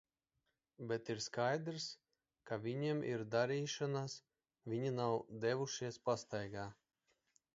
Bet ir skaidrs, ka viņiem ir darīšanas, viņi nav devušies pastaigā.